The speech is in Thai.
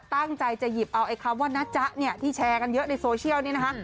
ตั้งใจจะหยิบเอาไอ้คำว่านะจ๊ะเนี่ยที่แชร์กันเยอะในโซเชียลนี้นะคะ